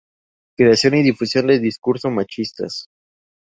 creación y difusión de discurso machistas